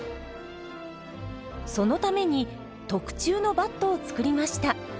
そのために特注のバットを作りました。